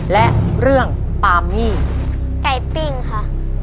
และเรื่องปามี่ไก่ปิ้งค่ะ